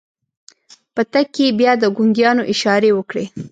په تګ کې يې بيا د ګونګيانو اشارې وکړې.